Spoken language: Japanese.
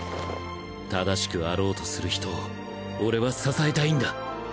正しくあろうとする人を俺は支えたいんだ